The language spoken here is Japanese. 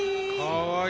かわいい。